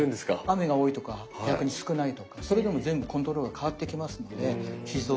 雨が多いとか逆に少ないとかそれでもう全部コントロールが変わってきますので秘蔵。